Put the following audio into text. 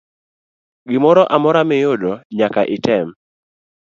Gimoro amora miyudo nyaka item.